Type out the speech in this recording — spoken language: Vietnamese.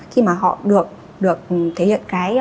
khi mà họ được thể hiện